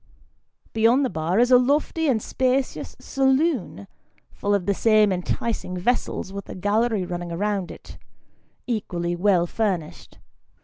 Beyond the bar is a lofty and spacious saloon, full of the same enticing vessels, with a gallery running round it, equally well furnished.